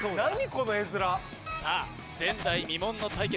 この絵面さあ前代未聞の対決